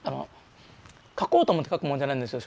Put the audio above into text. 書こうと思って書くもんじゃないんですよ